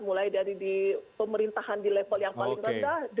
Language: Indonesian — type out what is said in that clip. mulai dari di pemerintahan di level yang paling rendah